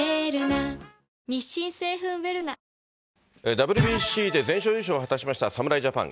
ＷＢＣで全勝優勝を果たしました侍ジャパン。